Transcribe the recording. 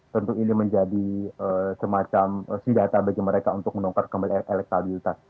tentu ini menjadi semacam sidata bagi mereka untuk menukar kembali elektabilitas